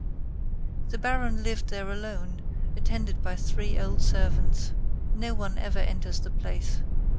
The Baron lived there alone, attended by three old servants. No one ever enters the place.